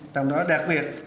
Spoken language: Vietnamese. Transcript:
trong đó đặc biệt